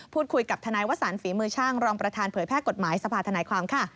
พูดคุยกับทนายวสันฝีมือช่างรองประธานเผยแพร่กฎหมายสภาธนายความค่ะ